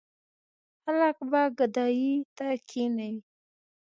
خلک به ګدايۍ ته کېنوي.